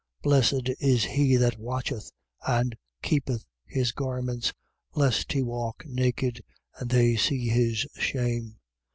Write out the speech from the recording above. Blessed is he that watcheth and keepeth his garments, lest he walk naked, and they see his shame.